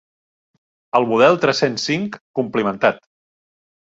El model tres-cents cinc complimentat.